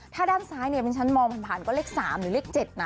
ถ้าด้านซ้ายเนี่ยดิฉันมองผ่านก็เลข๓หรือเลข๗นะ